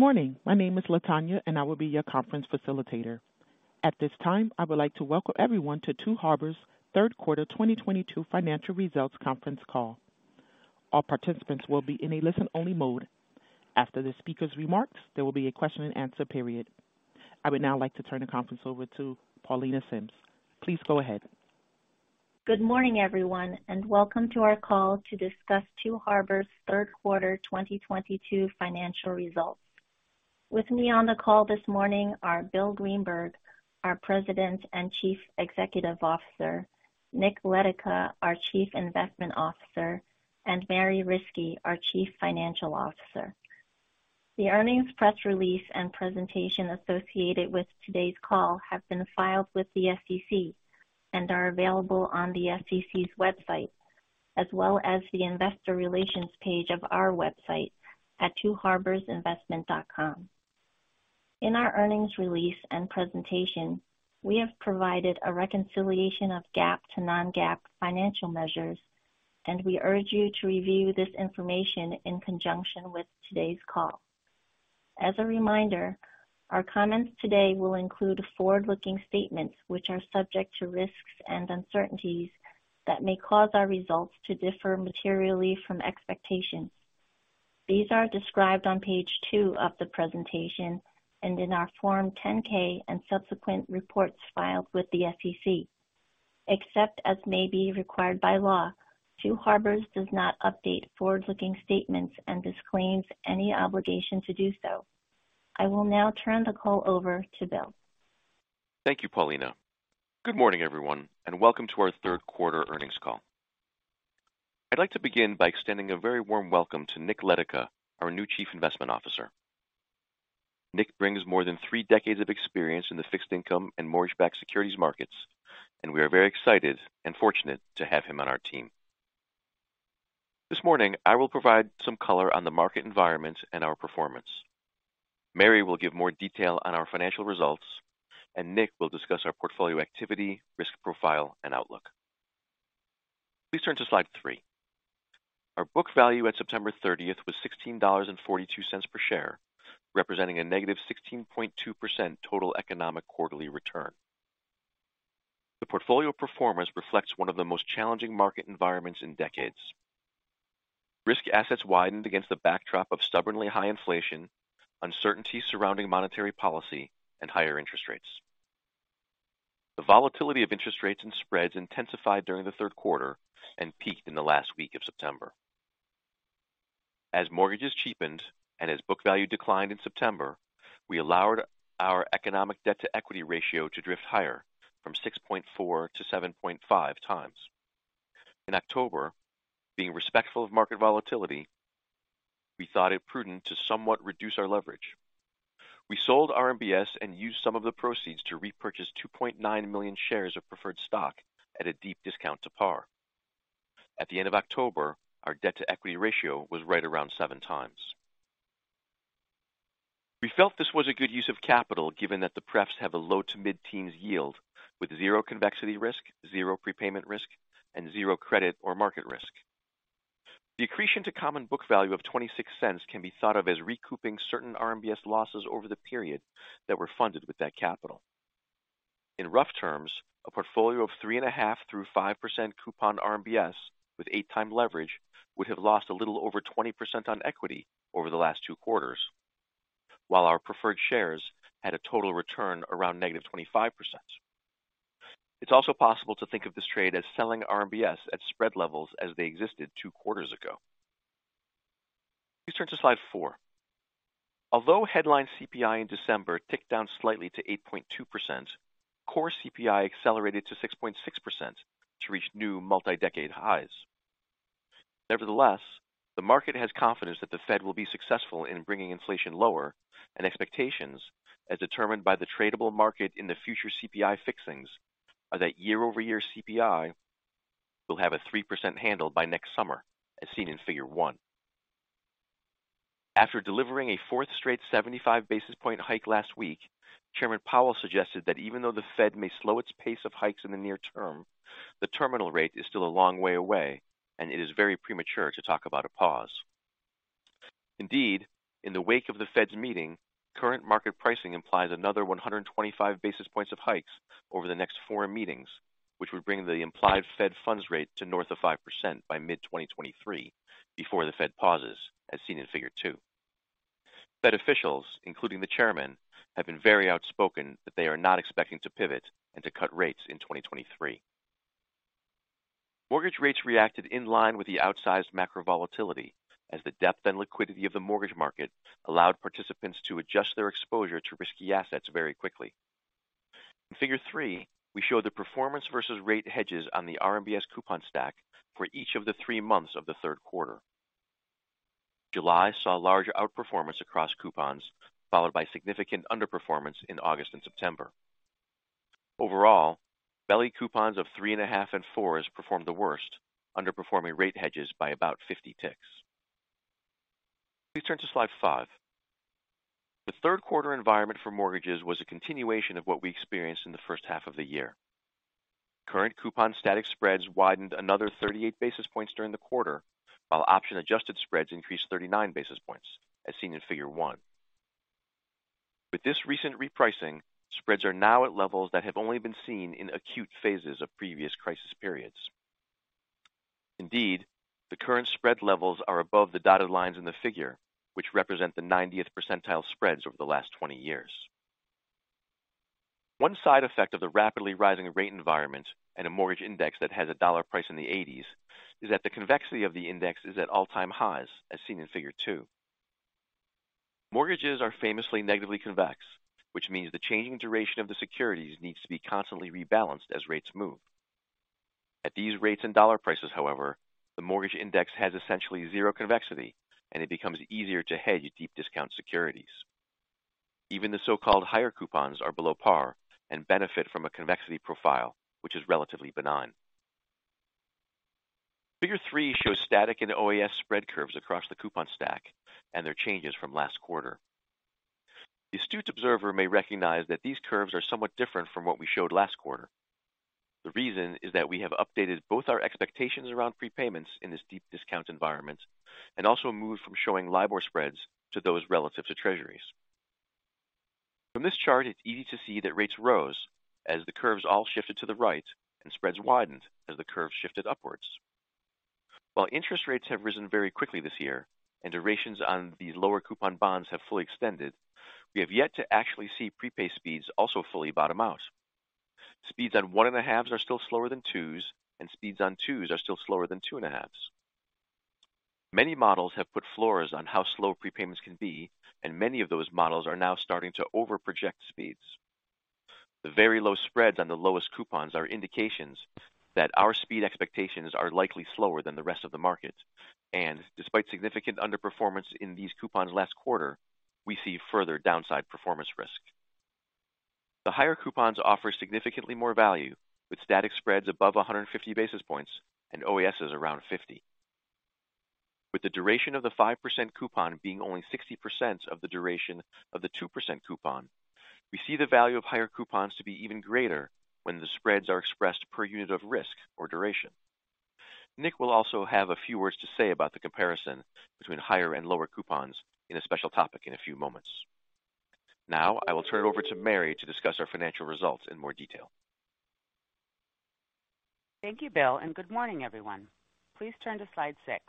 Good morning. My name is Latonya, and I will be your conference facilitator. At this time, I would like to welcome everyone to Two Harbors third quarter 2022 financial results conference call. All participants will be in a listen-only mode. After the speaker's remarks, there will be a question and answer period. I would now like to turn the conference over to Paulina Sims. Please go ahead. Good morning, everyone, and welcome to our call to discuss Two Harbors third quarter 2022 financial results. With me on the call this morning are William Greenberg, our President and Chief Executive Officer, Nick Letica, our Chief Investment Officer, and Mary Riskey, our Chief Financial Officer. The earnings press release and presentation associated with today's call have been filed with the SEC and are available on the SEC's website, as well as the investor relations page of our website at twoharborsinvestment.com. In our earnings release and presentation, we have provided a reconciliation of GAAP to Non-GAAP financial measures, and we urge you to review this information in conjunction with today's call. As a reminder, our comments today will include forward-looking statements which are subject to risks and uncertainties that may cause our results to differ materially from expectations. These are described on page two of the presentation and in our Form 10-K and subsequent reports filed with the SEC. Except as may be required by law, Two Harbors does not update forward-looking statements and disclaims any obligation to do so. I will now turn the call over to Bill. Thank you, Paulina. Good morning, everyone, and welcome to our third quarter earnings call. I'd like to begin by extending a very warm welcome to Nick Letica, our new chief investment officer. Nick brings more than three decades of experience in the fixed income and mortgage-backed securities markets, and we are very excited and fortunate to have him on our team. This morning, I will provide some color on the market environment and our performance. Mary will give more detail on our financial results, and Nick will discuss our portfolio activity, risk profile, and outlook. Please turn to slide three. Our book value at September 30th was $16.42 per share, representing a -16.2% total economic quarterly return. The portfolio performance reflects one of the most challenging market environments in decades. Risk assets widened against the backdrop of stubbornly high inflation, uncertainty surrounding monetary policy, and higher interest rates. The volatility of interest rates and spreads intensified during the third quarter and peaked in the last week of September. As mortgages cheapened and as book value declined in September, we allowed our economic debt-to-equity ratio to drift higher from 6.4 to 7.5 times. In October, being respectful of market volatility, we thought it prudent to somewhat reduce our leverage. We sold RMBS and used some of the proceeds to repurchase 2.9 million shares of preferred stock at a deep discount to par. At the end of October, our debt-to-equity ratio was right around seven times. We felt this was a good use of capital, given that the prefs have a low-to-mid teens yield with zero convexity risk, zero prepayment risk, and zero credit or market risk. Decrement to common book value of $0.26 can be thought of as recouping certain RMBS losses over the period that were funded with that capital. In rough terms, a portfolio of 3.5%-5% coupon RMBS with eight times leverage would have lost a little over 20% on equity over the last two quarters. While our preferred shares had a total return around -25%. It's also possible to think of this trade as selling RMBS at spread levels as they existed two quarters ago. Please turn to slide four. Although headline CPI in December ticked down slightly to 8.2%, core CPI accelerated to 6.6% to reach new multi-decade highs. Nevertheless, the market has confidence that the Fed will be successful in bringing inflation lower, and expectations, as determined by the tradable market in the future CPI fixings are that year-over-year CPI will have a 3% handle by next summer, as seen in figure one. After delivering a fourth straight 75 basis point hike last week, Chairman Powell suggested that even though the Fed may slow its pace of hikes in the near-term, the terminal rate is still a long way away, and it is very premature to talk about a pause. Indeed, in the wake of the Fed's meeting, current market pricing implies another 125 basis points of hikes over the next four meetings, which would bring the implied Fed funds rate to north of 5% by mid-2023 before the Fed pauses, as seen in figure two. Fed officials, including the chairman, have been very outspoken that they are not expecting to pivot and to cut rates in 2023. Mortgage rates reacted in line with the outsized macro volatility as the depth and liquidity of the mortgage market allowed participants to adjust their exposure to risky assets very quickly. In figure three, we show the performance versus rate hedges on the RMBS coupon stack for each of the three months of the third quarter. July saw large outperformance across coupons, followed by significant underperformance in August and September. Overall, belly coupons of 3.5 and 4s performed the worst, underperforming rate hedges by about 50 ticks. Please turn to slide five. The third quarter environment for mortgages was a continuation of what we experienced in the first half of the year. Current coupon static spreads widened another 38 basis points during the quarter, while option-adjusted spreads increased 39 basis points as seen in figure one. With this recent repricing, spreads are now at levels that have only been seen in acute phases of previous crisis periods. Indeed, the current spread levels are above the dotted lines in the figure, which represent the 90th percentile spreads over the last 20 years. One side effect of the rapidly rising rate environment and a mortgage index that has a dollar price in the 80s is that the convexity of the index is at all-time highs as seen in figure two. Mortgages are famously negatively convex, which means the changing duration of the securities needs to be constantly rebalanced as rates move. At these rates and dollar prices however, the mortgage index has essentially zero convexity and it becomes easier to hedge deep discount securities. Even the so-called higher coupons are below par and benefit from a convexity profile which is relatively benign. Figure three shows static and OAS spread curves across the coupon stack and their changes from last quarter. The astute observer may recognize that these curves are somewhat different from what we showed last quarter. The reason is that we have updated both our expectations around prepayments in this deep discount environment and also moved from showing LIBOR spreads to those relative to Treasuries. From this chart, it's easy to see that rates rose as the curves all shifted to the right and spreads widened as the curve shifted upwards. While interest rates have risen very quickly this year and durations on the lower coupon bonds have fully extended, we have yet to actually see prepay speeds also fully bottom out. Speeds on one-and-a-halves are still slower than twos, and speeds on twos are still slower than two-and-a-halves. Many models have put floors on how slow prepayments can be, and many of those models are now starting to over-project speeds. The very low spreads on the lowest coupons are indications that our speed expectations are likely slower than the rest of the market. Despite significant underperformance in these coupons last quarter, we see further downside performance risk. The higher coupons offer significantly more value with static spreads above 150 basis points and OAS around 50. With the duration of the 5% coupon being only 60% of the duration of the 2% coupon, we see the value of higher coupons to be even greater when the spreads are expressed per unit of risk or duration. Nick will also have a few words to say about the comparison between higher and lower coupons in a special topic in a few moments. Now I will turn it over to Mary to discuss our financial results in more detail. Thank you, Bill, and good morning, everyone. Please turn to slide six.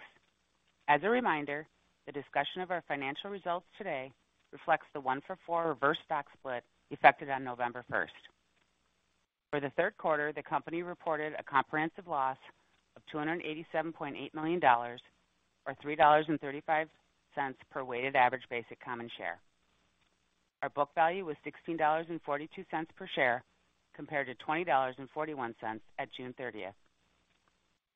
As a reminder, the discussion of our financial results today reflects the one-for-four reverse stock split effected on November 1st. For the third quarter, the company reported a comprehensive loss of $287.8 million or $3.35 per weighted average basic common share. Our book value was $16.42 per share compared to $20.41 at June 30th.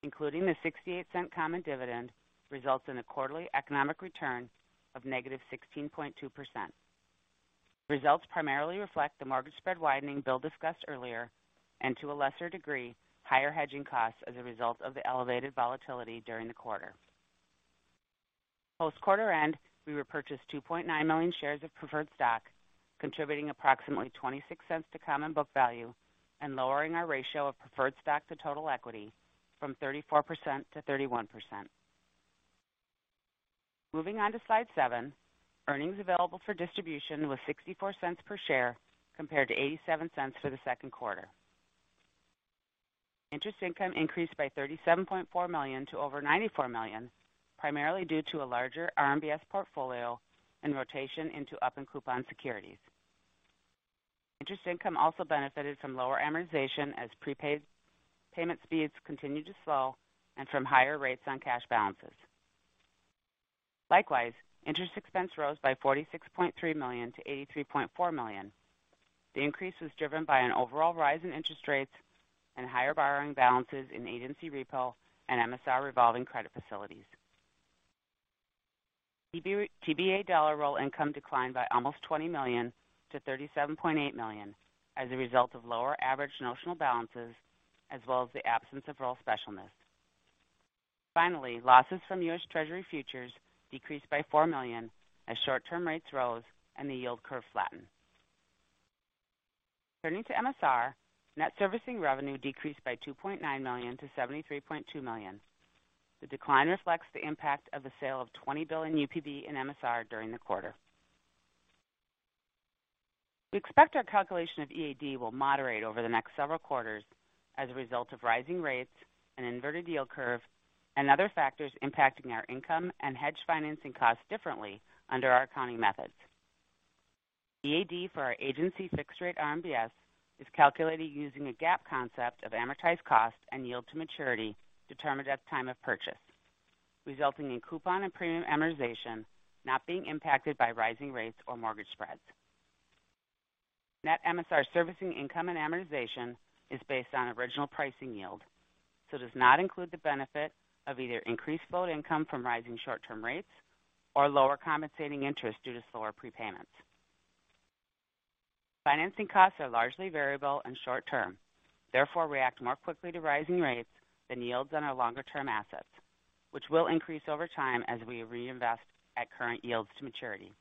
Including the 68-cent common dividend results in a quarterly economic return of -16.2%. Results primarily reflect the mortgage spread widening Bill discussed earlier and to a lesser degree, higher hedging costs as a result of the elevated volatility during the quarter. Post quarter end, we repurchased 2.9 million shares of preferred stock, contributing approximately $0.26 to common book value and lowering our ratio of preferred stock to total equity from 34% to 31%. Moving on to slide seven. Earnings available for distribution was $0.64 per share compared to $0.87 for the second quarter. Interest income increased by $37.4 million to over $94 million, primarily due to a larger RMBS portfolio and rotation into higher coupon securities. Interest income also benefited from lower amortization as prepayment speeds continued to slow and from higher rates on cash balances. Likewise, interest expense rose by $46.3 million to $83.4 million. The increase was driven by an overall rise in interest rates and higher borrowing balances in agency repo and MSR revolving credit facilities. TBA dollar roll income declined by almost $20 million to $37.8 million as a result of lower average notional balances as well as the absence of roll specialness. Finally, losses from U.S. Treasury futures decreased by $4 million as short-term rates rose and the yield curve flattened. Turning to MSR, net servicing revenue decreased by $2.9 million to $73.2 million. The decline reflects the impact of the sale of $20 billion UPB in MSR during the quarter. We expect our calculation of EAD will moderate over the next several quarters as a result of rising rates and inverted yield curve and other factors impacting our income and hedge financing costs differently under our accounting methods. EAD for our agency fixed-rate RMBS is calculated using a GAAP concept of amortized cost and yield to maturity determined at time of purchase, resulting in coupon and premium amortization not being impacted by rising rates or mortgage spreads. Net MSR servicing income and amortization is based on original pricing yield, so does not include the benefit of either increased float income from rising short-term rates or lower compensating interest due to slower prepayments. Financing costs are largely variable and short-term, therefore react more quickly to rising rates than yields on our longer-term assets, which will increase over time as we reinvest at current yields to maturity.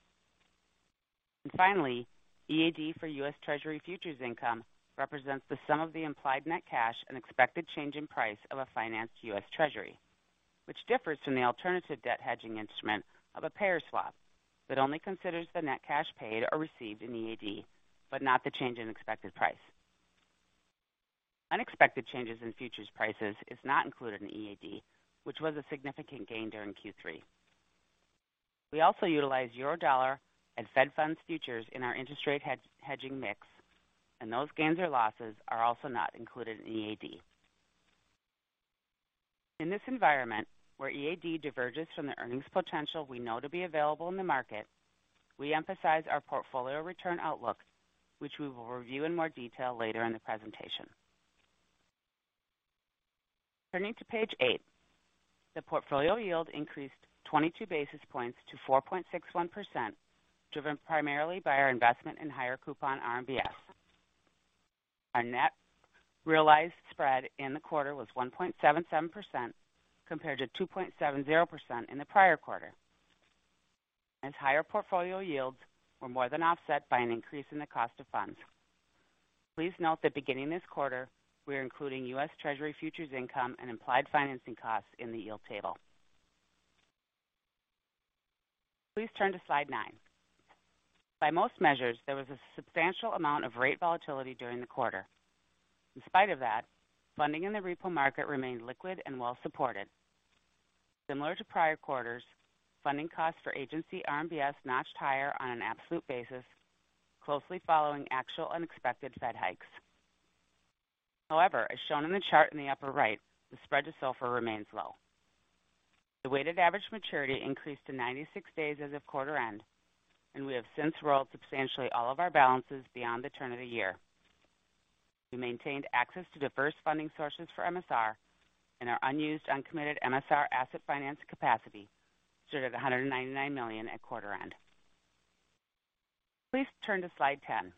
Finally, EAD for U.S. Treasury futures income represents the sum of the implied net cash and expected change in price of a financed U.S. Treasury, which differs from the alternative debt hedging instrument of a payer swap that only considers the net cash paid or received in EAD, but not the change in expected price. Unexpected changes in futures prices is not included in EAD, which was a significant gain during Q3. We also utilize Eurodollar and Fed Funds futures in our interest rate hedging mix, and those gains or losses are also not included in EAD. In this environment, where EAD diverges from the earnings potential we know to be available in the market, we emphasize our portfolio return outlook, which we will review in more detail later in the presentation. Turning to page eight. The portfolio yield increased 22 basis points to 4.61%, driven primarily by our investment in higher coupon RMBS. Our net realized spread in the quarter was 1.77% compared to 2.70% in the prior quarter. As higher portfolio yields were more than offset by an increase in the cost of funds. Please note that beginning this quarter, we are including U.S. Treasury futures income and implied financing costs in the yield table. Please turn to slide nine. By most measures, there was a substantial amount of rate volatility during the quarter. In spite of that, funding in the repo market remained liquid and well supported. Similar to prior quarters, funding costs for agency RMBS notched higher on an absolute basis, closely following actual unexpected Fed hikes. However, as shown in the chart in the upper right, the spread to SOFR remains low. The weighted average maturity increased to 96 days as of quarter end, and we have since rolled substantially all of our balances beyond the turn of the year. We maintained access to diverse funding sources for MSR and our unused, uncommitted MSR asset finance capacity stood at $199 million at quarter end. Please turn to slide 10.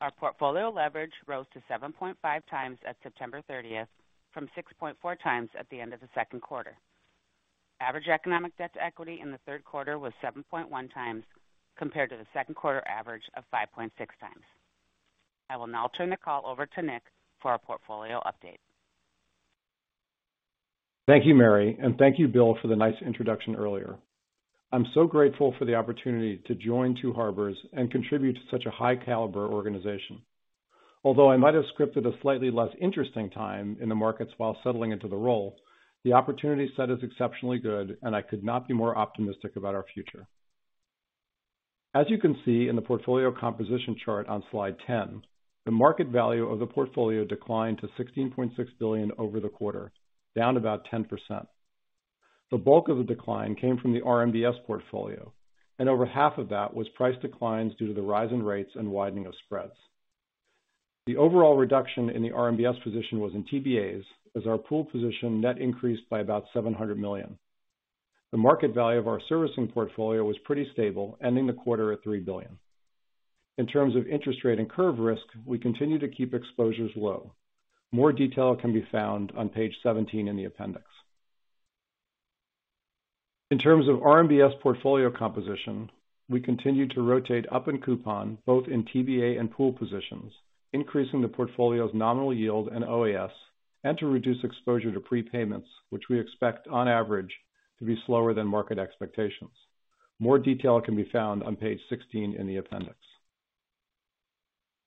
Our portfolio leverage rose to 7.5 times at September thirtieth from 6.4 times at the end of the second quarter. Average economic debt to equity in the third quarter was 7.1x compared to the second quarter average of 5.6x. I will now turn the call over to Nick for our portfolio update. Thank you, Mary, and thank you, Bill, for the nice introduction earlier. I'm so grateful for the opportunity to join Two Harbors and contribute to such a high-caliber organization. Although I might have scripted a slightly less interesting time in the markets while settling into the role, the opportunity set is exceptionally good, and I could not be more optimistic about our future. As you can see in the portfolio composition chart on slide 10, the market value of the portfolio declined to $16.6 billion over the quarter, down about 10%. The bulk of the decline came from the RMBS portfolio, and over half of that was price declines due to the rise in rates and widening of spreads. The overall reduction in the RMBS position was in TBAs as our pool position net increased by about $700 million. The market value of our servicing portfolio was pretty stable, ending the quarter at $3 billion. In terms of interest rate and curve risk, we continue to keep exposures low. More detail can be found on page 17 in the appendix. In terms of RMBS portfolio composition, we continue to rotate up in coupon, both in TBA and pool positions, increasing the portfolio's nominal yield and OAS, and to reduce exposure to prepayments, which we expect, on average, to be slower than market expectations. More detail can be found on page 16 in the appendix.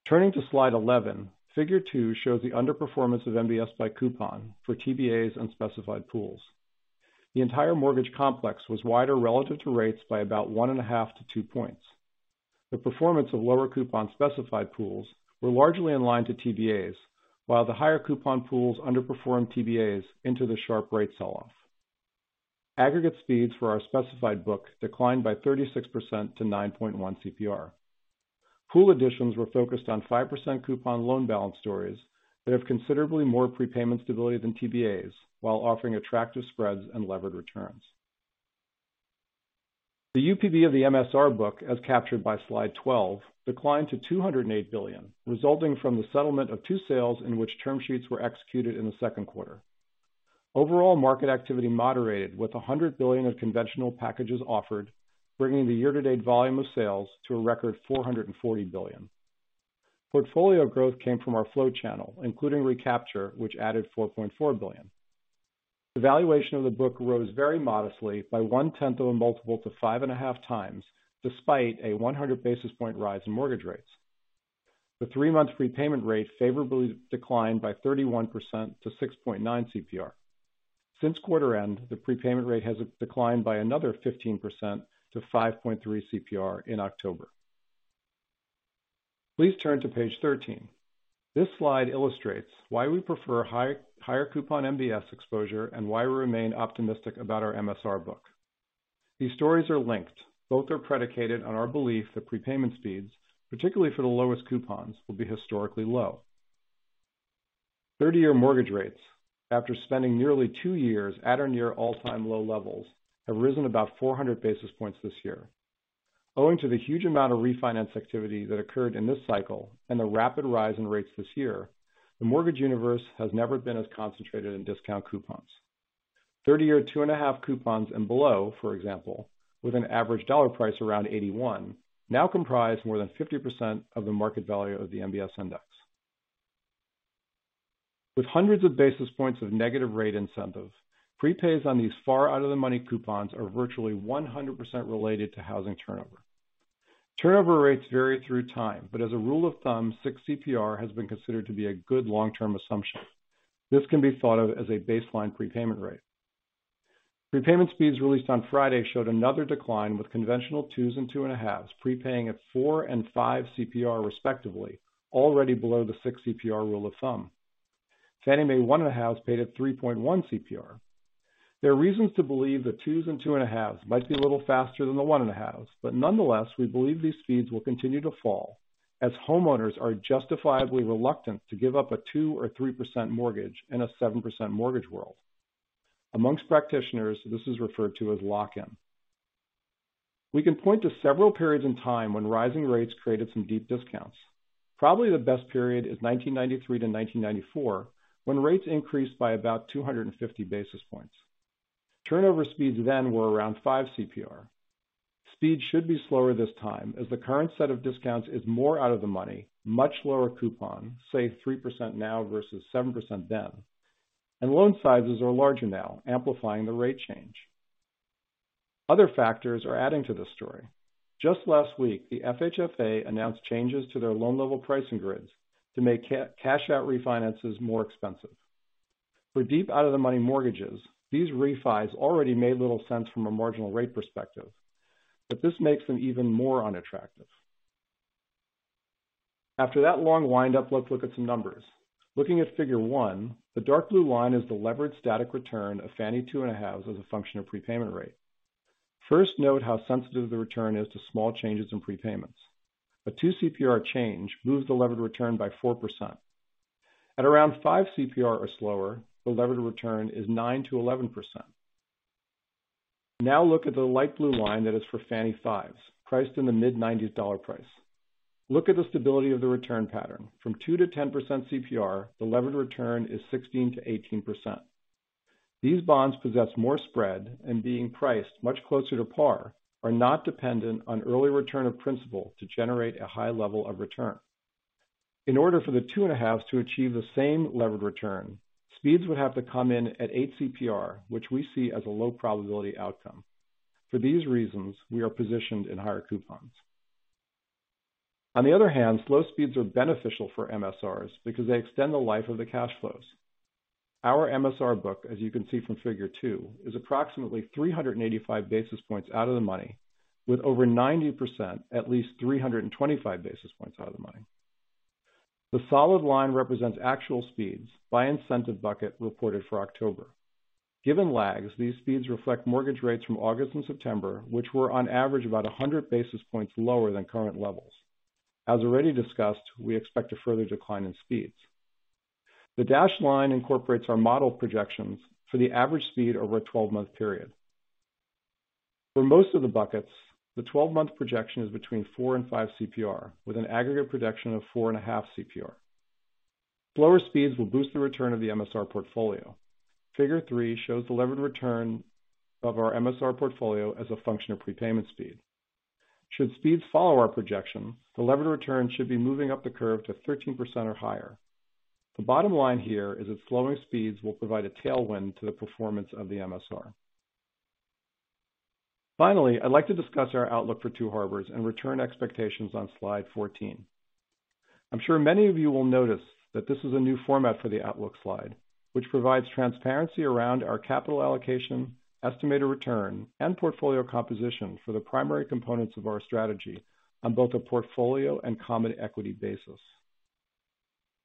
Turning to slide 11, figure two shows the underperformance of MBS by coupon for TBAs and specified pools. The entire mortgage complex was wider relative to rates by about 1.5-2 points. The performance of lower coupon specified pools were largely in line to TBAs, while the higher coupon pools underperformed TBAs into the sharp rate sell-off. Aggregate speeds for our specified book declined by 36% to 9.1 CPR. Pool additions were focused on 5% coupon loan balance stories that have considerably more prepayment stability than TBAs while offering attractive spreads and levered returns. The UPB of the MSR book, as captured by slide 12, declined to $208 billion, resulting from the settlement of two sales in which term sheets were executed in the second quarter. Overall market activity moderated with $100 billion of conventional packages offered, bringing the year-to-date volume of sales to a record $440 billion. Portfolio growth came from our flow channel, including recapture, which added $4.4 billion. The valuation of the book rose very modestly by 0.1 of a multiple to 5.5x, despite a 100 basis point rise in mortgage rates. The three-month prepayment rate favorably declined by 31% to 6.9 CPR. Since quarter end, the prepayment rate has declined by another 15% to 5.3 CPR in October. Please turn to page 13. This slide illustrates why we prefer higher coupon MBS exposure and why we remain optimistic about our MSR book. These stories are linked. Both are predicated on our belief that prepayment speeds, particularly for the lowest coupons, will be historically low. 30-year mortgage rates, after spending nearly two years at or near all-time low levels, have risen about 400 basis points this year. Owing to the huge amount of refinance activity that occurred in this cycle and the rapid rise in rates this year, the mortgage universe has never been as concentrated in discount coupons. 30-year 2.5 coupons and below, for example, with an average dollar price around $81, now comprise more than 50% of the market value of the MBS index. With hundreds of basis points of negative rate incentive, prepays on these far out of the money coupons are virtually 100% related to housing turnover. Turnover rates vary through time, but as a rule of thumb, six CPR has been considered to be a good long-term assumption. This can be thought of as a baseline prepayment rate. Repayment speeds released on Friday showed another decline, with conventional 2s and 2.5s prepaying at four and five CPR respectively, already below the six CPR rule of thumb. Fannie Mae 1.5s paid at 3.1 CPR. There are reasons to believe the 2s and 2.5s might be a little faster than the 1.5s, but nonetheless, we believe these speeds will continue to fall as homeowners are justifiably reluctant to give up a 2% or 3% mortgage in a 7% mortgage world. Among practitioners, this is referred to as lock-in. We can point to several periods in time when rising rates created some deep discounts. Probably the best period is 1993 to 1994, when rates increased by about 250 basis points. Turnover speeds then were around five CPR. Speeds should be slower this time, as the current set of discounts is more out of the money, much lower coupon, say 3% now versus 7% then. Loan sizes are larger now, amplifying the rate change. Other factors are adding to this story. Just last week, the FHFA announced changes to their loan level pricing grids to make cash-out refinances more expensive. For deep out of the money mortgages, these refis already made little sense from a marginal rate perspective, but this makes them even more unattractive. After that long wind up, let's look at some numbers. Looking at figure one, the dark blue line is the levered static return of Fannie 2.5s as a function of prepayment rate. First, note how sensitive the return is to small changes in prepayments. A two CPR change moves the levered return by 4%. At around five CPR or slower, the levered return is 9%-11%. Now look at the light blue line that is for Fannie Mae fives, priced in the mid-90s dollar price. Look at the stability of the return pattern. From 2%-10% CPR, the levered return is 16%-18%. These bonds possess more spread, and being priced much closer to par, are not dependent on early return of principal to generate a high level of return. In order for the 2.5s to achieve the same levered return, speeds would have to come in at eight CPR, which we see as a low probability outcome. For these reasons, we are positioned in higher coupons. On the other hand, slow speeds are beneficial for MSRs because they extend the life of the cash flows. Our MSR book, as you can see from figure two, is approximately 385 basis points out of the money, with over 90% at least 325 basis points out of the money. The solid line represents actual speeds by incentive bucket reported for October. Given lags, these speeds reflect mortgage rates from August and September, which were on average about 100 basis points lower than current levels. As already discussed, we expect a further decline in speeds. The dashed line incorporates our model projections for the average speed over a 12-month period. For most of the buckets, the 12-month projection is between four and five CPR, with an aggregate projection of 4.5 CPR. Slower speeds will boost the return of the MSR portfolio. Figure three shows the levered return of our MSR portfolio as a function of prepayment speed. Should speeds follow our projection, the levered return should be moving up the curve to 13% or higher. The bottom line here is that slower speeds will provide a tailwind to the performance of the MSR. Finally, I'd like to discuss our outlook for Two Harbors and return expectations on slide 14. I'm sure many of you will notice that this is a new format for the outlook slide, which provides transparency around our capital allocation, estimated return, and portfolio composition for the primary components of our strategy on both a portfolio and common equity basis.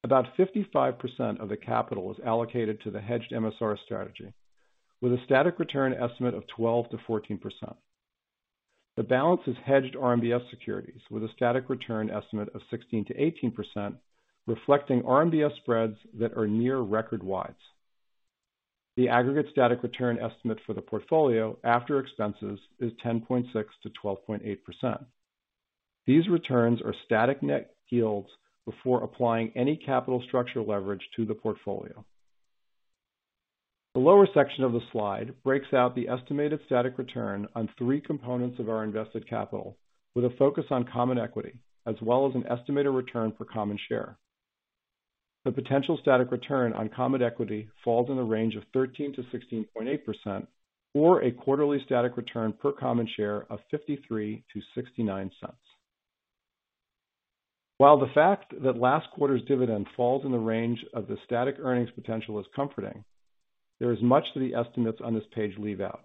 About 55% of the capital is allocated to the hedged MSR strategy with a static return estimate of 12%-14%. The balance is hedged RMBS securities with a static return estimate of 16%-18%, reflecting RMBS spreads that are near record wides. The aggregate static return estimate for the portfolio after expenses is 10.6%-12.8%. These returns are static net yields before applying any capital structure leverage to the portfolio. The lower section of the slide breaks out the estimated static return on three components of our invested capital with a focus on common equity as well as an estimated return per common share. The potential static return on common equity falls in a range of 13%-16.8% or a quarterly static return per common share of $0.53-$0.69. While the fact that last quarter's dividend falls in the range of the static earnings potential is comforting, there is much that the estimates on this page leave out.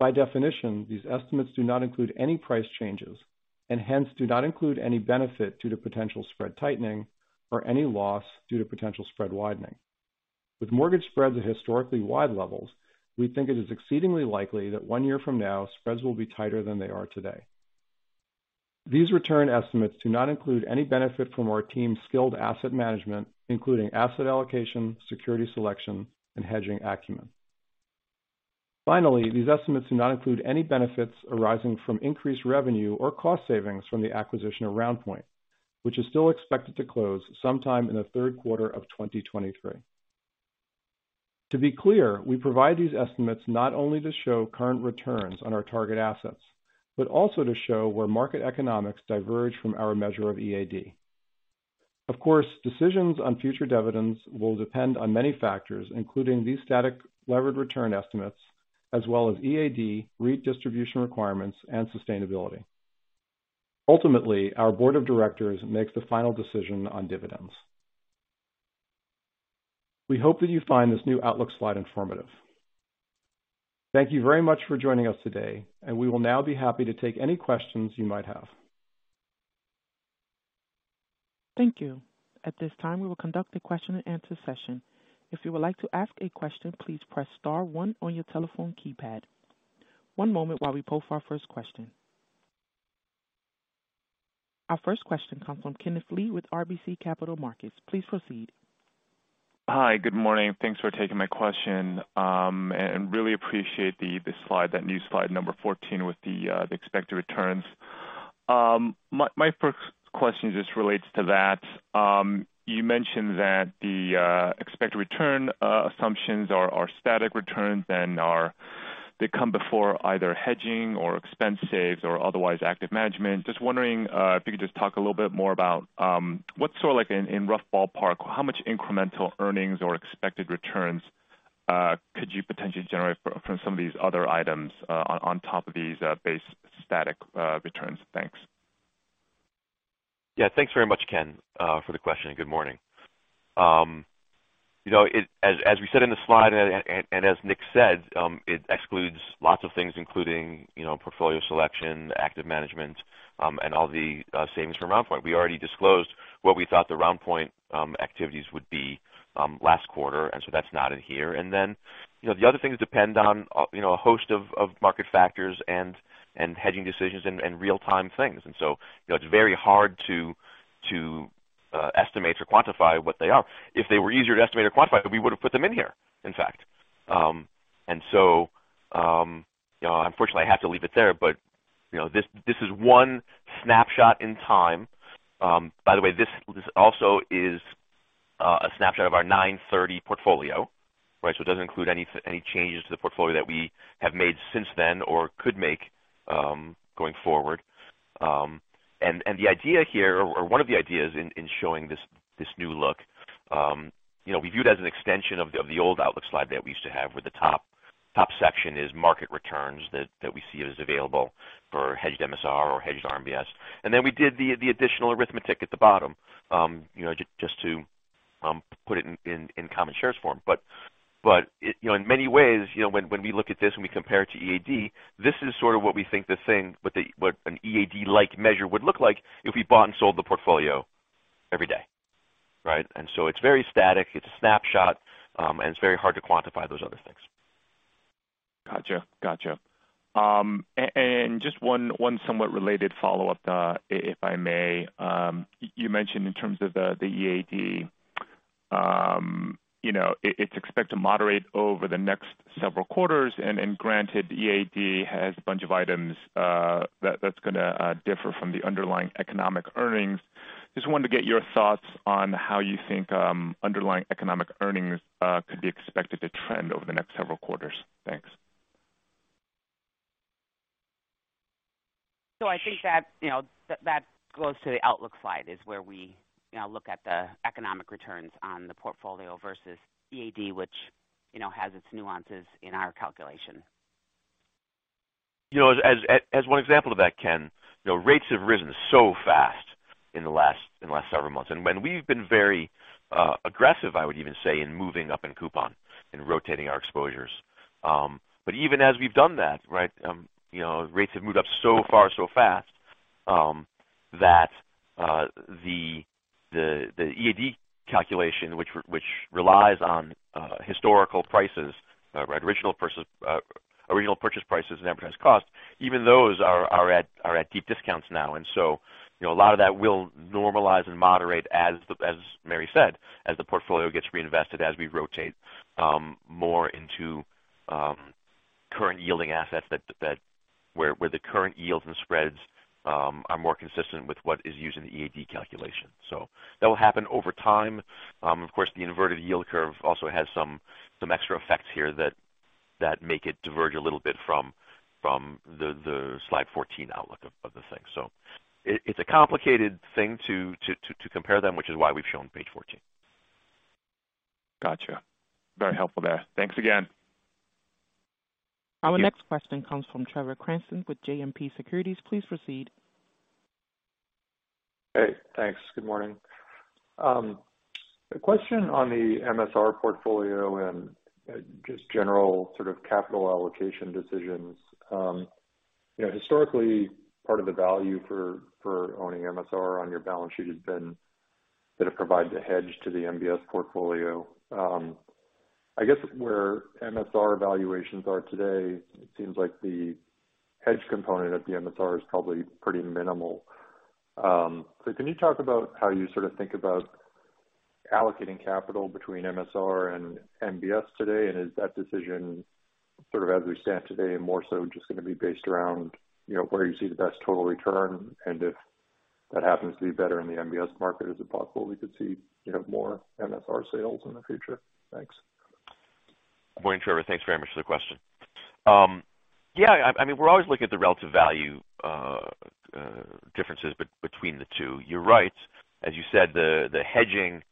By definition, these estimates do not include any price changes and hence do not include any benefit due to potential spread tightening or any loss due to potential spread widening. With mortgage spreads at historically wide levels, we think it is exceedingly likely that one year from now, spreads will be tighter than they are today. These return estimates do not include any benefit from our team's skilled asset management, including asset allocation, security selection, and hedging acumen. Finally, these estimates do not include any benefits arising from increased revenue or cost savings from the acquisition of RoundPoint, which is still expected to close sometime in the third quarter of 2023. To be clear, we provide these estimates not only to show current returns on our target assets, but also to show where market economics diverge from our measure of EAD. Of course, decisions on future dividends will depend on many factors, including these static levered return estimates as well as EAD REIT distribution requirements and sustainability. Ultimately, our board of directors makes the final decision on dividends. We hope that you find this new outlook slide informative. Thank you very much for joining us today, and we will now be happy to take any questions you might have. Thank you. At this time, we will conduct a question and answer session. If you would like to ask a question, please press star one on your telephone keypad. One moment while we poll for our first question. Our first question comes from Kenneth Lee with RBC Capital Markets. Please proceed. Hi. Good morning. Thanks for taking my question. Really appreciate the slide, that new slide number 14 with the expected returns. My first question just relates to that. You mentioned that the expected return assumptions are static returns and they come before either hedging or expense saves or otherwise active management. Just wondering if you could just talk a little bit more about what sort like in rough ballpark, how much incremental earnings or expected returns could you potentially generate from some of these other items on top of these base static returns? Thanks. Yeah. Thanks very much, Ken, for the question. Good morning. You know, as we said in the slide and as Nick said, it excludes lots of things including, you know, portfolio selection, active management, and all the savings from RoundPoint. We already disclosed what we thought the RoundPoint activities would be last quarter, and so that's not in here. Then, you know, the other things depend on, you know, a host of market factors and hedging decisions and real-time things. You know, it's very hard to estimate or quantify what they are. If they were easier to estimate or quantify, we would have put them in here, in fact. You know, unfortunately, I have to leave it there, but you know, this is one snapshot in time. By the way, this also is a snapshot of our 9:30 portfolio, right? It doesn't include any changes to the portfolio that we have made since then or could make, going forward. The idea here or one of the ideas in showing this new look, you know, we view it as an extension of the old outlook slide that we used to have, where the top section is market returns that we see as available for hedged MSR or hedged RMBS. Then we did the additional arithmetic at the bottom, you know, just to put it in common shares form. you know, in many ways, you know, when we look at this and we compare it to EAD, this is sort of what we think what an EAD-like measure would look like if we bought and sold the portfolio every day, right? It's very static, it's a snapshot, and it's very hard to quantify those other things. Gotcha. Just one somewhat related follow-up, if I may. You mentioned in terms of the EAD, you know, it's expected to moderate over the next several quarters. Granted, EAD has a bunch of items that's gonna differ from the underlying economic earnings. Just wanted to get your thoughts on how you think underlying economic earnings could be expected to trend over the next several quarters. Thanks. I think that, you know, that goes to the outlook slide is where we, you know, look at the economic returns on the portfolio versus EAD, which, you know, has its nuances in our calculation. You know, as one example of that, Ken, you know, rates have risen so fast in the last several months. When we've been very aggressive, I would even say, in moving up in coupon and rotating our exposures. Even as we've done that, right, you know, rates have moved up so far so fast, that the EAD calculation which relies on historical prices, right, original purchase prices and adjusted costs, even those are at deep discounts now. You know, a lot of that will normalize and moderate as Mary said, as the portfolio gets reinvested, as we rotate more into current yielding assets that where the current yields and spreads are more consistent with what is used in the EAD calculation. That will happen over time. Of course, the inverted yield curve also has some extra effects here that make it diverge a little bit from the slide 14 outlook of the thing. It is a complicated thing to compare them, which is why we've shown page 14. Gotcha. Very helpful there. Thanks again. Our next question comes from Trevor Cranston with JMP Securities. Please proceed. Hey, thanks. Good morning. A question on the MSR portfolio and just general sort of capital allocation decisions. You know, historically, part of the value for owning MSR on your balance sheet has been that it provides a hedge to the MBS portfolio. I guess where MSR valuations are today, it seems like the hedge component of the MSR is probably pretty minimal. So can you talk about how you sort of think about allocating capital between MSR and MBS today. Is that decision sort of as we stand today more so just going to be based around, you know, where you see the best total return? And if that happens to be better in the MBS market, is it possible we could see, you know, more MSR sales in the future? Thanks. Good morning, Trevor. Thanks very much for the question. I mean, we're always looking at the relative value, differences between the two. You're right. As you said, the hedging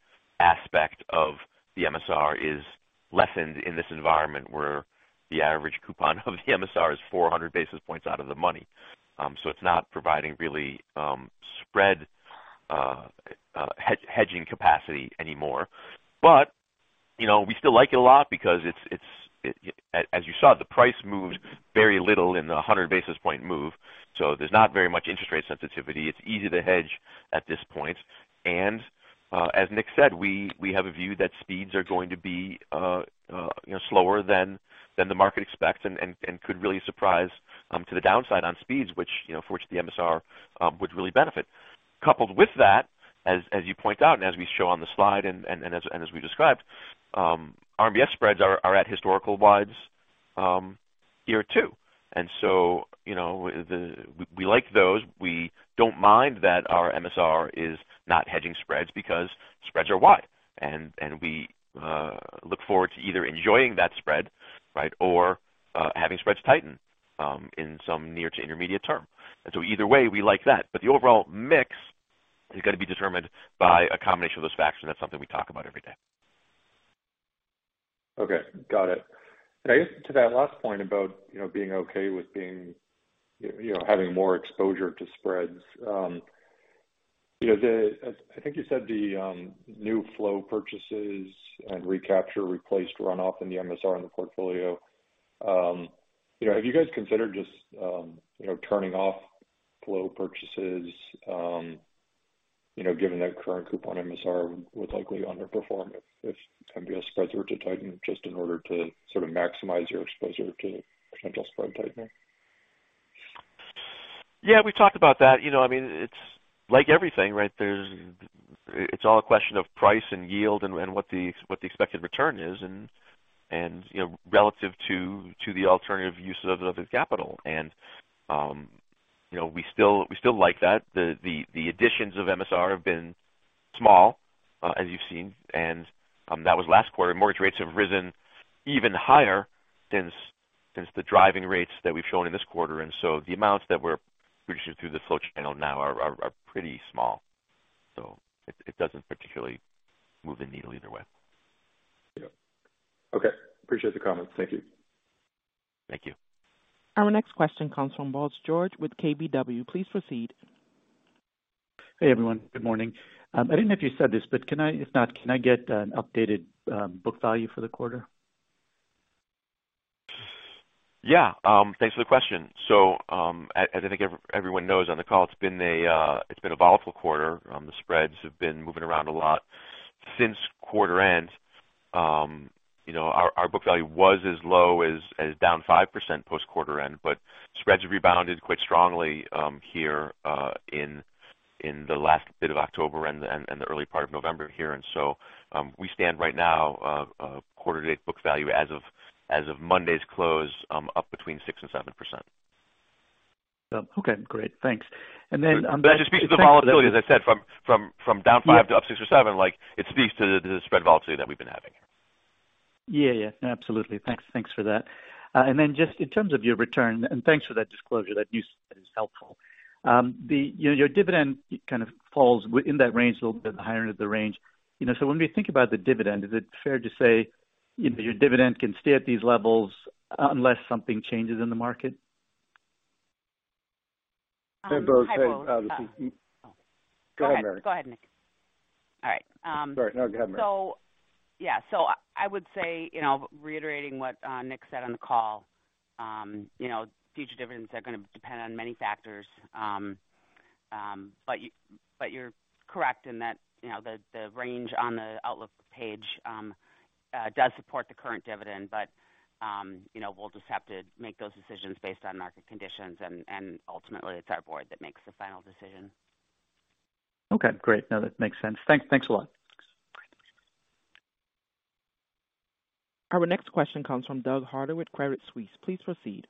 aspect of the MSR is lessened in this environment where the average coupon of the MSR is 400 basis points out of the money. It's not providing really spread hedging capacity anymore. You know, we still like it a lot because as you saw, the price moves very little in the 100 basis point move, so there's not very much interest rate sensitivity. It's easy to hedge at this point. As Nick said, we have a view that speeds are going to be, you know, slower than the market expects and could really surprise to the downside on speeds, which, you know, for which the MSR would really benefit. Coupled with that, as you point out, and as we show on the slide and as we described, RMBS spreads are at historical wides here too. You know, we like those. We don't mind that our MSR is not hedging spreads because spreads are wide. We look forward to either enjoying that spread, right, or having spreads tighten in some near to intermediate term. Either way, we like that. The overall mix is going to be determined by a combination of those facts, and that's something we talk about every day. Okay. Got it. Can I get to that last point about, you know, being okay with being, you know, having more exposure to spreads. You know, the I think you said the new flow purchases and recapture replaced runoff in the MSR in the portfolio. You know, have you guys considered just, you know, turning off flow purchases, you know, given that current coupon MSR would likely underperform if MBS spreads were to tighten just in order to sort of maximize your exposure to potential spread tightening? Yeah, we've talked about that. You know, I mean, it's like everything, right? It's all a question of price and yield and what the expected return is and, you know, relative to the alternative uses of the capital. You know, we still like that. The additions of MSR have been small, as you've seen. That was last quarter. Mortgage rates have risen even higher since the origination rates that we've shown in this quarter. The amounts that we're purchasing through the flow channel now are pretty small. It doesn't particularly move the needle either way. Yeah. Okay. Appreciate the comments. Thank you. Thank you. Our next question comes from Bose George with KBW. Please proceed. Hey, everyone. Good morning. I didn't know if you said this, but if not, can I get an updated book value for the quarter? Yeah. Thanks for the question. As I think everyone knows on the call, it's been a volatile quarter. The spreads have been moving around a lot since quarter end. You know, our book value was as low as down 5% post-quarter end, but spreads have rebounded quite strongly here in the last bit of October and the early part of November here. We stand right now quarter to date book value as of Monday's close up between 6% and 7%. Okay, great. Thanks. That just speaks to the volatility, as I said, from down five to up six or seven, like it speaks to the spread volatility that we've been having. Yeah, yeah. Absolutely. Thanks, thanks for that. And then just in terms of your return, and thanks for that disclosure. That news is helpful. You know, your dividend kind of falls within that range a little bit at the higher end of the range. You know, so when we think about the dividend, is it fair to say your dividend can stay at these levels unless something changes in the market? Hey, Bose. Hi. Go ahead, Mary. Go ahead, Nick. All right. Sorry. No, go ahead, Mary. I would say, you know, reiterating what Nick said on the call, you know, future dividends are going to depend on many factors. You're correct in that, you know, the range on the outlook page does support the current dividend. You know, we'll just have to make those decisions based on market conditions and ultimately it's our board that makes the final decision. Okay, great. No, that makes sense. Thanks a lot. Our next question comes from Douglas Harter with Credit Suisse. Please proceed.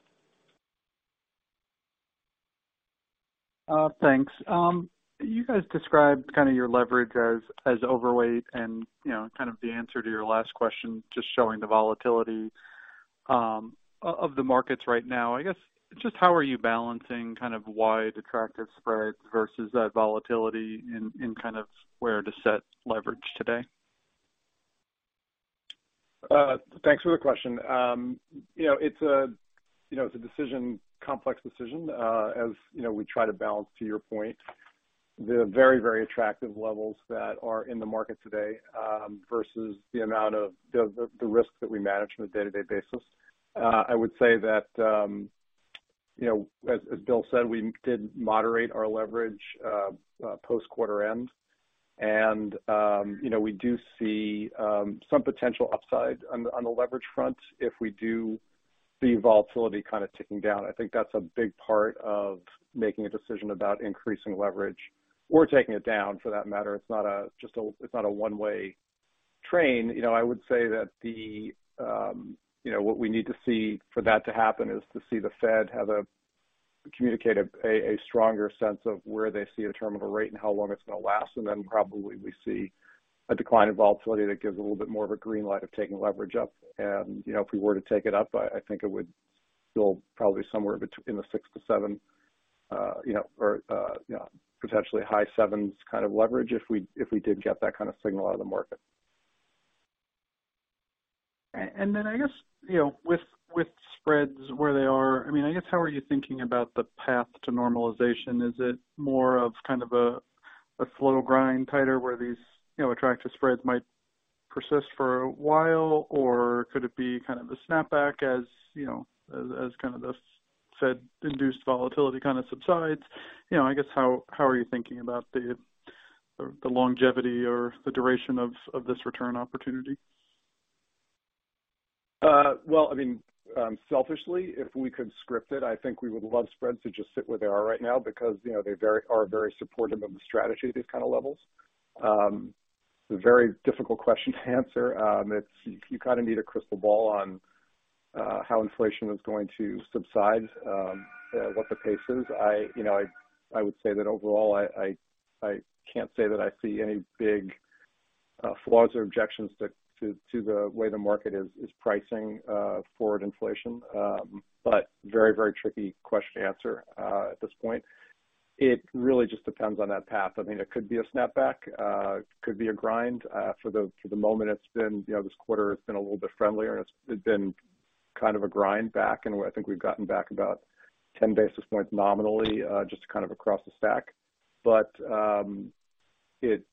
Thanks. You guys described kind of your leverage as overweight and, you know, kind of the answer to your last question, just showing the volatility of the markets right now. I guess, just how are you balancing kind of wide attractive spreads versus that volatility in kind of where to set leverage today? Thanks for the question. You know, it's a complex decision, as you know, we try to balance, to your point, the very, very attractive levels that are in the market today, versus the amount of the risk that we manage on a day-to-day basis. I would say that, you know, as Bill said, we did moderate our leverage post quarter end. You know, we do see some potential upside on the leverage front if we do The volatility kind of ticking down. I think that's a big part of making a decision about increasing leverage or taking it down for that matter. It's not a one-way train. You know, I would say that the, you know, what we need to see for that to happen is to see the Fed have a communicate a stronger sense of where they see a terminal rate and how long it's going to last. Then probably we see a decline in volatility that gives a little bit more of a green light of taking leverage up. You know, if we were to take it up, I think it would go probably somewhere between 6-7, you know, or, you know, potentially high 7s kind of leverage if we did get that kind of signal out of the market. Then I guess, you know, with spreads where they are, I mean, I guess how are you thinking about the path to normalization? Is it more of kind of a slow grind tighter where these, you know, attractive spreads might persist for a while? Or could it be kind of a snapback as, you know, as kind of this Fed-induced volatility kind of subsides? You know, I guess, how are you thinking about the longevity or the duration of this return opportunity? Well, I mean, selfishly, if we could script it, I think we would love spreads to just sit where they are right now because, you know, they're very supportive of the strategy at these kind of levels. It's a very difficult question to answer. You kind of need a crystal ball on how inflation is going to subside, what the pace is. You know, I would say that overall, I can't say that I see any big flaws or objections to the way the market is pricing forward inflation. But very, very tricky question to answer at this point. It really just depends on that path. I mean, it could be a snapback, could be a grind. For the moment, it's been, you know, this quarter it's been a little bit friendlier, and it's been kind of a grind back. I think we've gotten back about 10 basis points nominally, just kind of across the stack.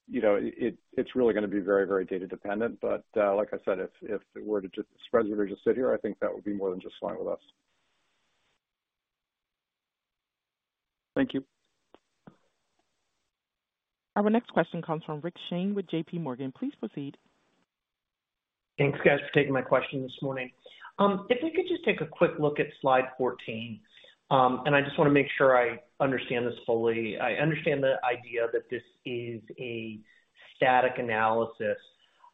You know, it's really going to be very, very data dependent. Like I said, if spreads were to just sit here, I think that would be more than just fine with us. Thank you. Our next question comes from Rick Shane with J.P. Morgan. Please proceed. Thanks, guys, for taking my question this morning. If we could just take a quick look at slide 14. I just want to make sure I understand this fully. I understand the idea that this is a static analysis.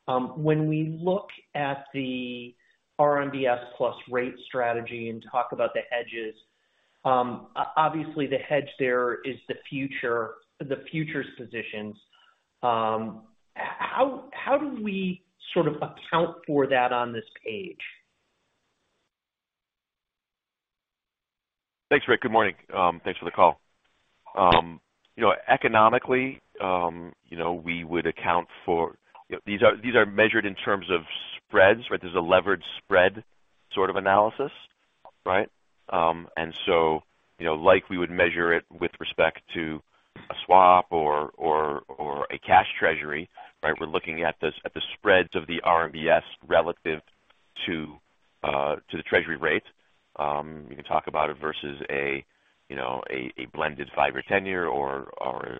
When we look at the RMBS plus rate strategy and talk about the hedges, obviously the hedge there is the futures positions. How do we sort of account for that on this page? Thanks, Rick. Good morning. Thanks for the call. You know, economically, you know, we would account for. These are measured in terms of spreads, right? There's a leveraged spread sort of analysis, right? You know, like we would measure it with respect to a swap or a cash treasury, right? We're looking at the spreads of the RMBS relative to the treasury rate. You can talk about it versus a blended five-year tenor or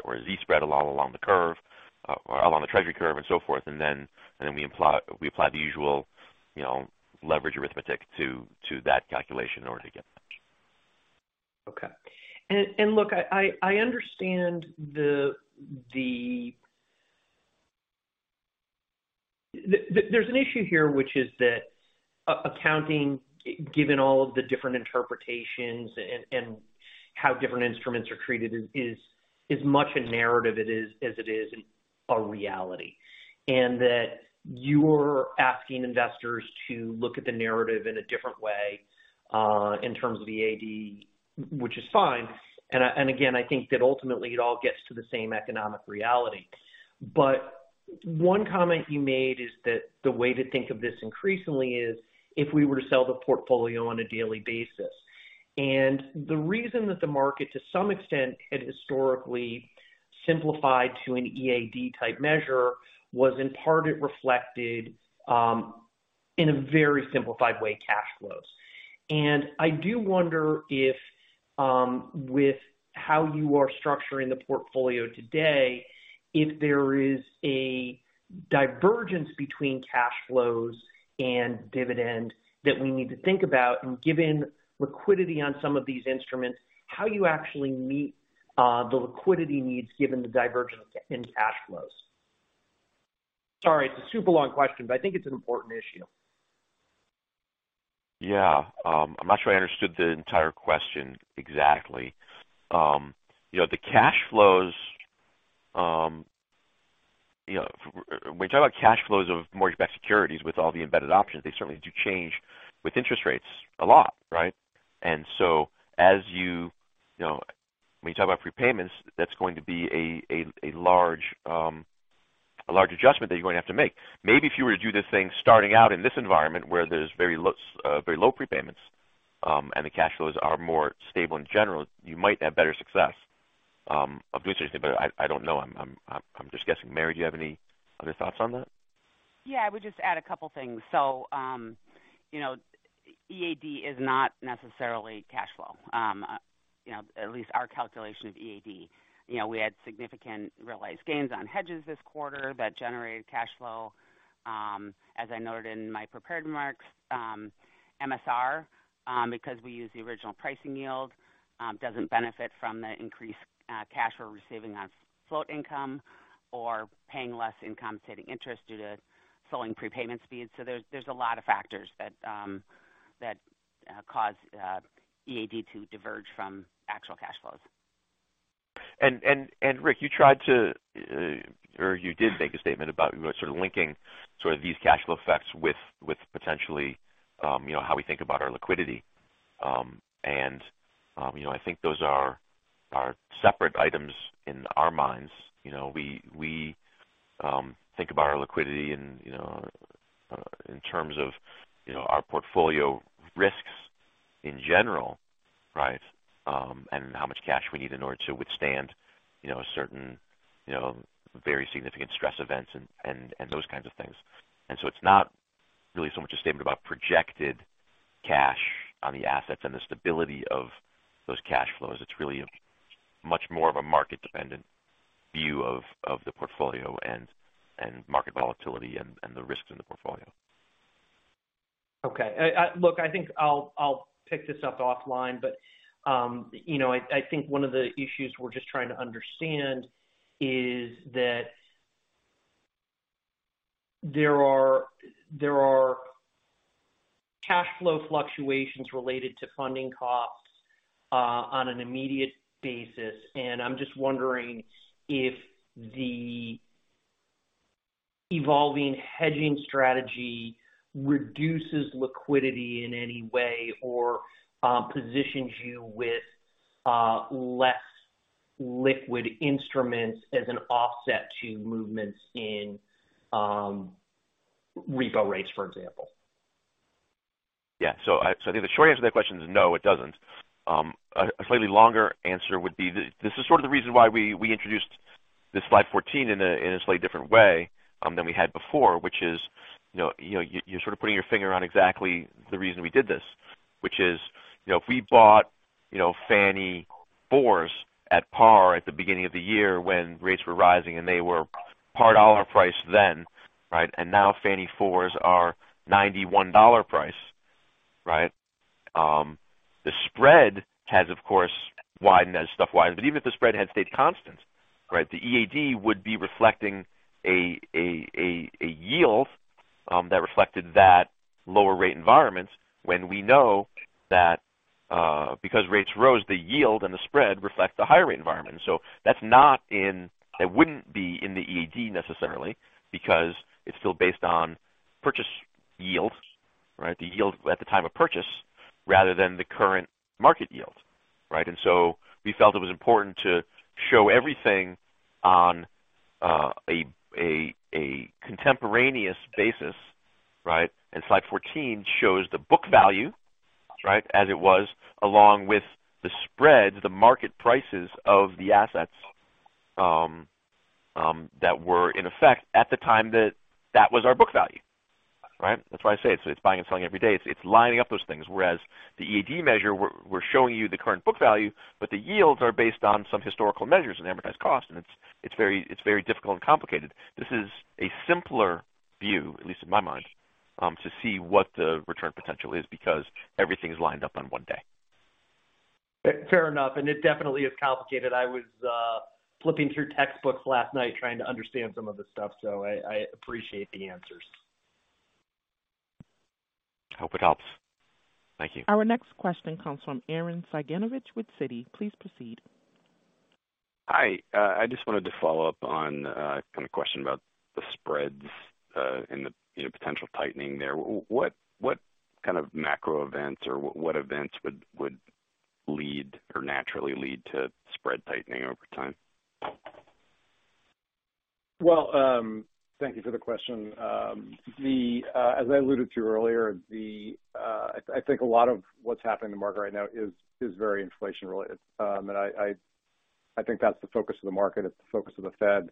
a Z-spread along the curve along the treasury curve and so forth. We apply the usual, you know, leverage arithmetic to that calculation in order to get that. Look, I understand there's an issue here, which is that accounting, given all of the different interpretations and how different instruments are treated, is much a narrative as it is a reality. That you're asking investors to look at the narrative in a different way, in terms of EAD, which is fine. Again, I think that ultimately it all gets to the same economic reality. One comment you made is that the way to think of this increasingly is if we were to sell the portfolio on a daily basis. The reason that the market, to some extent, had historically simplified to an EAD-type measure was in part it reflected, in a very simplified way, cash flows. I do wonder if, with how you are structuring the portfolio today, if there is a divergence between cash flows and dividend that we need to think about. Given liquidity on some of these instruments, how you actually meet the liquidity needs given the divergence in cash flows. Sorry, it's a super long question, but I think it's an important issue. Yeah. I'm not sure I understood the entire question exactly. You know, the cash flows, you know, when you talk about cash flows of mortgage-backed securities with all the embedded options, they certainly do change with interest rates a lot, right? As you know, when you talk about prepayments, that's going to be a large adjustment that you're going to have to make. Maybe if you were to do this thing starting out in this environment where there's very low prepayments, and the cash flows are more stable in general, you might have better success of doing something. I don't know. I'm just guessing. Mary, do you have any other thoughts on that? Yeah, I would just add a couple things. You know, EAD is not necessarily cash flow. You know, at least our calculation of EAD. You know, we had significant realized gains on hedges this quarter that generated cash flow. As I noted in my prepared remarks, MSR, because we use the original pricing yield, doesn't benefit from the increased cash we're receiving on float income or paying less in compensated interest due to slowing prepayment speeds. There's a lot of factors that cause EAD to diverge from actual cash flows. Rick, you tried to, or you did make a statement about sort of linking sort of these cash flow effects with potentially, you know, how we think about our liquidity. You know, I think those are separate items in our minds. You know, we think about our liquidity and, you know, in terms of, you know, our portfolio risks in general, right? And how much cash we need in order to withstand, you know, certain, you know, very significant stress events and those kinds of things. It's not really so much a statement about projected cash on the assets and the stability of those cash flows. It's really much more of a market-dependent view of the portfolio and market volatility and the risks in the portfolio. Okay. Look, I think I'll pick this up offline, but you know, I think one of the issues we're just trying to understand is that there are cash flow fluctuations related to funding costs on an immediate basis. I'm just wondering if the evolving hedging strategy reduces liquidity in any way or positions you with less liquid instruments as an offset to movements in repo rates, for example. Yeah. I think the short answer to that question is no, it doesn't. A slightly longer answer would be this is sort of the reason why we introduced this slide 14 in a slightly different way than we had before, which is, you know, you're sort of putting your finger on exactly the reason we did this. Which is, you know, if we bought, you know, Fannie fours at par at the beginning of the year when rates were rising and they were par dollar price then, right? And now Fannie fours are $91 price, right? The spread has of course widened as spreads widen. But even if the spread had stayed constant, right? The EAD would be reflecting a yield that reflected that lower rate environment when we know that because rates rose, the yield and the spread reflects the higher rate environment. That's not in. It wouldn't be in the EAD necessarily because it's still based on purchase yield, right? The yield at the time of purchase rather than the current market yield, right? We felt it was important to show everything on a contemporaneous basis, right? Slide 14 shows the book value, right, as it was along with the spreads, the market prices of the assets that were in effect at the time that that was our book value. Right? That's why I say it's buying and selling every day. It's lining up those things. Whereas the EAD measure we're showing you the current book value, but the yields are based on some historical measures and amortized cost. It's very difficult and complicated. This is a simpler view, at least in my mind, to see what the return potential is because everything's lined up on one day. Fair enough, and it definitely is complicated. I was flipping through textbooks last night trying to understand some of this stuff, so I appreciate the answers. Hope it helps. Thank you. Our next question comes from Arren Cyganovich with Citi. Please proceed. Hi. I just wanted to follow up on a kind of question about the spreads and the you know potential tightening there. What kind of macro events or what events would lead or naturally lead to spread tightening over time? Well, thank you for the question. As I alluded to earlier, I think a lot of what's happening in the market right now is very inflation related. I think that's the focus of the market. It's the focus of the Fed.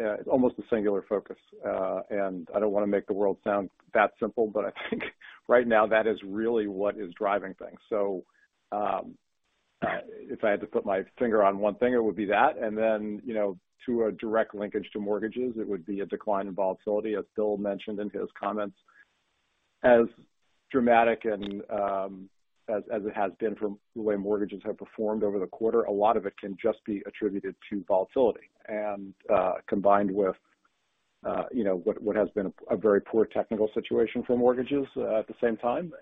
It's almost a singular focus. I don't wanna make the world sound that simple, but I think right now that is really what is driving things. If I had to put my finger on one thing, it would be that. Then, you know, to a direct linkage to mortgages, it would be a decline in volatility, as Bill mentioned in his comments. As dramatic as it has been from the way mortgages have performed over the quarter, a lot of it can just be attributed to volatility. Combined with, you know, what has been a very poor technical situation for mortgages at the same time.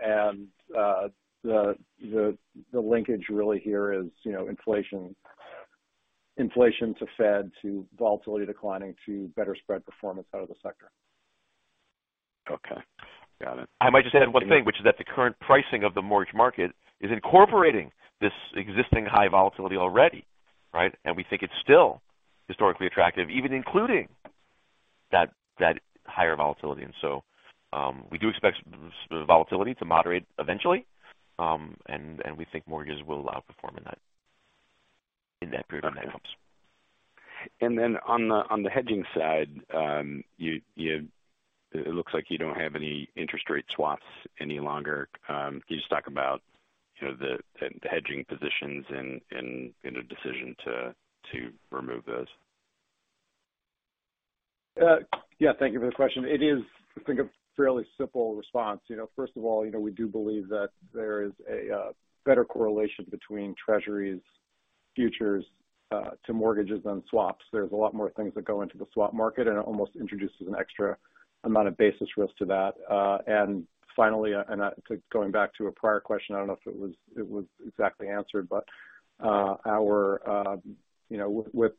The linkage really here is, you know, inflation to Fed to volatility declining to better spread performance out of the sector. Okay. Got it. I might just add one thing, which is that the current pricing of the mortgage market is incorporating this existing high volatility already, right? We think it's still historically attractive, even including that higher volatility. We do expect volatility to moderate eventually. We think mortgages will outperform in that. On the hedging side, it looks like you don't have any interest rate swaps any longer. Can you just talk about, you know, the hedging positions and the decision to remove those? Yeah. Thank you for the question. It is, I think, a fairly simple response. You know, first of all, you know, we do believe that there is a better correlation between Treasury futures to mortgages than swaps. There's a lot more things that go into the swap market, and it almost introduces an extra amount of basis risk to that. And finally, and going back to a prior question, I don't know if it was exactly answered. Our, you know, with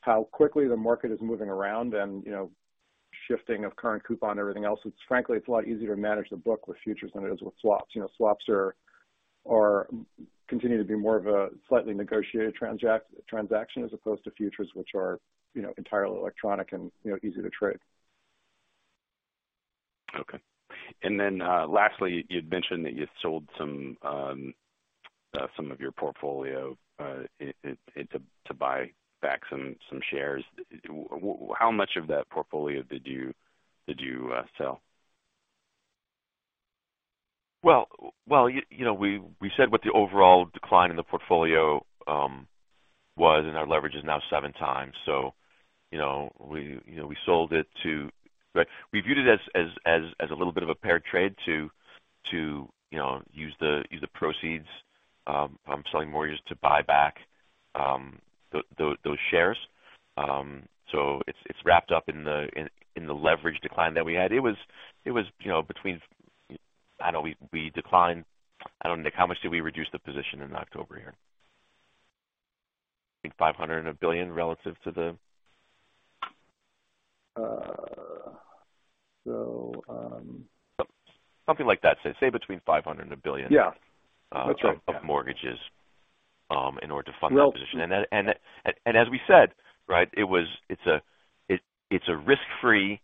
how quickly the market is moving around and, you know, shifting of current coupon and everything else, it's frankly a lot easier to manage the book with futures than it is with swaps. You know, swaps are continue to be more of a slightly negotiated transaction as opposed to futures which are, you know, entirely electronic and, you know, easy to trade. Okay. Lastly, you'd mentioned that you sold some of your portfolio to buy back some shares. How much of that portfolio did you sell? Well, you know, we said what the overall decline in the portfolio was, and our leverage is now 7x. You know, we sold it. We viewed it as a little bit of a pair trade to you know use the proceeds from selling mortgages to buy back those shares. It's wrapped up in the leverage decline that we had. It was you know between. I know we declined. I don't know. Nick, how much did we reduce the position in October here? I think $500 million and $1 billion relative to the- Uh, so, um. Something like that. Say between $500 and $1 billion. Yeah. That's right. of mortgages in order to fund that position. As we said, right, it's a risk-free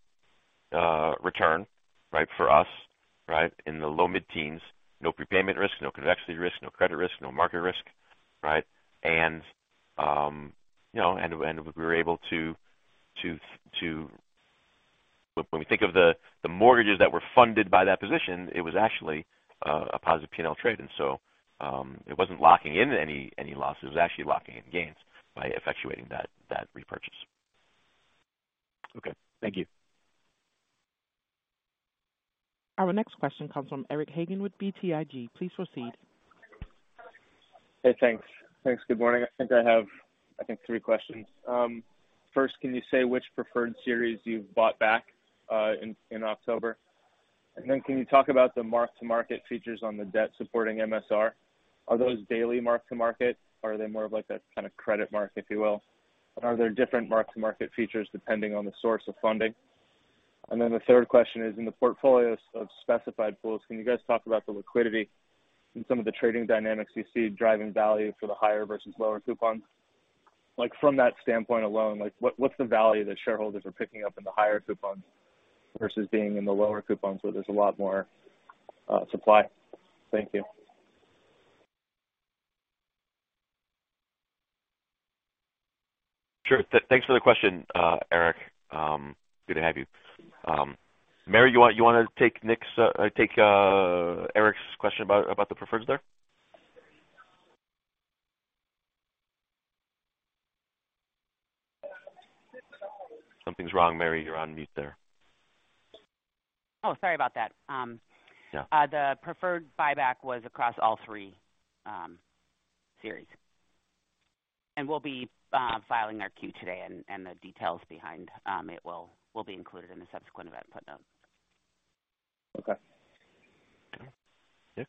return, right, for us, right? In the low mid-teens. No prepayment risk, no convexity risk, no credit risk, no market risk, right? You know, we were able to. When we think of the mortgages that were funded by that position, it was actually a positive P&L trade. It wasn't locking in any losses. It was actually locking in gains by effectuating that repurchase. Okay. Thank you. Our next question comes from Eric Hagen with BTIG. Please proceed. Hey, thanks. Thanks. Good morning. I think I have three questions. First, can you say which preferred series you've bought back in October? And then can you talk about the mark-to-market features on the debt supporting MSR? Are those daily mark-to-market, or are they more of like a kind of credit mark, if you will? Are there different mark-to-market features depending on the source of funding? And then the third question is, in the portfolios of specified pools, can you guys talk about the liquidity and some of the trading dynamics you see driving value for the higher versus lower coupons? Like from that standpoint alone, like what's the value that shareholders are picking up in the higher coupons versus being in the lower coupons where there's a lot more supply? Thank you. Sure. Thanks for the question, Eric. Good to have you. Mary, you wanna take Eric's question about the preferreds there? Something's wrong, Mary. You're on mute there. Oh, sorry about that. Yeah. The preferred buyback was across all three series. We'll be filing our 10-Q today, and the details behind it will be included in the subsequent event footnote. Okay. Okay. Nick.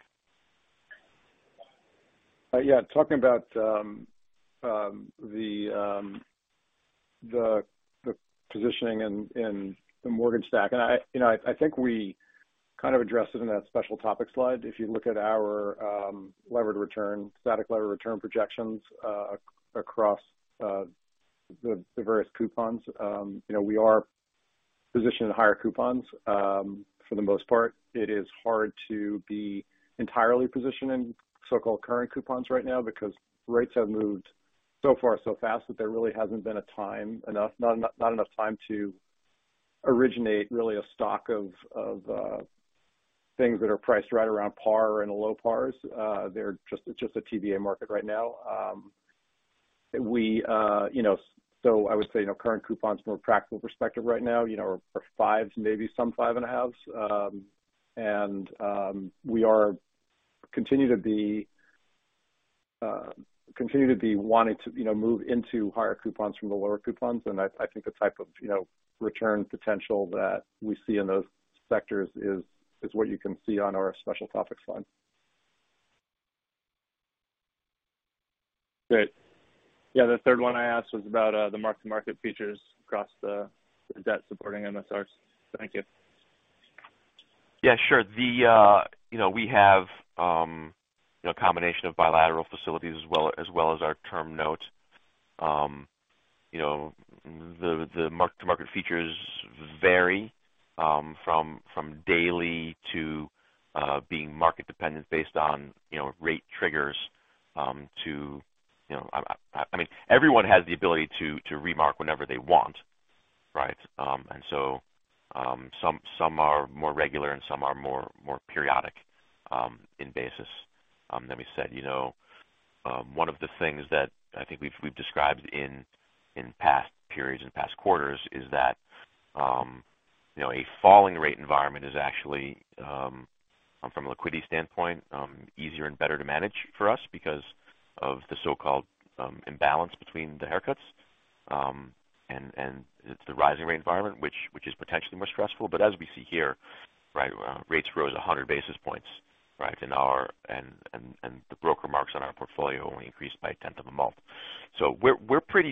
Yeah. Talking about the positioning in the mortgage stack. I, you know, I think we kind of addressed it in that special topic slide. If you look at our levered return, static levered return projections across the various coupons. You know, we are positioned in higher coupons. For the most part, it is hard to be entirely positioned in so-called current coupons right now because rates have moved so far, so fast that there really hasn't been enough time to originate really a stock of things that are priced right around par and low pars. They're just, it's just a TBA market right now. I would say, you know, current coupons from a practical perspective right now, you know, are 5s, maybe some 5.5s. We continue to be wanting to, you know, move into higher coupons from the lower coupons. I think the type of, you know, return potential that we see in those sectors is what you can see on our special topics fund. Great. Yeah. The third one I asked was about the mark-to-market features across the debt supporting MSRs. Thank you. Yeah, sure. You know, we have a combination of bilateral facilities as well as our term notes. You know, the mark-to-market features vary from daily to being market dependent based on you know, rate triggers to you know. I mean, everyone has the ability to remark whenever they want, right? Some are more regular and some are more periodic in basis. Let me say, you know, one of the things that I think we've described in past periods and past quarters is that you know, a falling rate environment is actually from a liquidity standpoint easier and better to manage for us because of the so-called imbalance between the haircuts. It's the rising rate environment which is potentially more stressful. As we see here, rates rose 100 basis points, and the broker marks on our portfolio only increased by a tenth of one percent.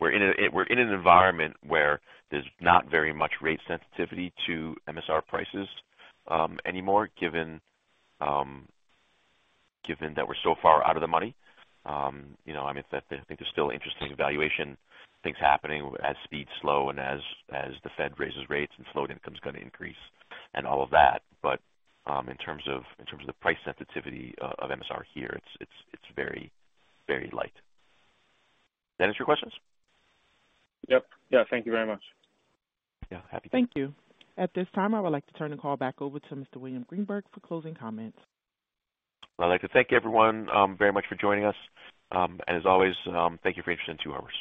We're in an environment where there's not very much rate sensitivity to MSR prices anymore given that we're so far out of the money. You know, I mean, I think there's still interesting valuation things happening as speeds slow and as the Fed raises rates and float income is going to increase and all of that. In terms of the price sensitivity of MSR here, it's very light. That answer your questions? Yep. Yeah. Thank you very much. Yeah. Happy to. Thank you. At this time, I would like to turn the call back over to Mr. William Greenberg for closing comments. I'd like to thank everyone, very much for joining us. As always, thank you for your interest in Two Harbors.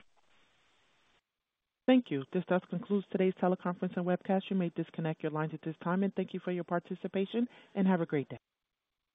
Thank you. This does conclude today's teleconference and webcast. You may disconnect your lines at this time. Thank you for your participation, and have a great day.